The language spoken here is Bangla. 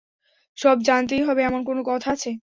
সব জানতেই হবে এমন কোনো কথা আছে?